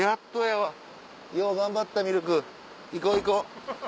よう頑張ったミルク行こう行こう。